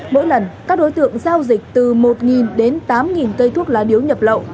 mỗi lần các đối tượng giao dịch từ một đến tám cây thuốc lá điếu nhập lậu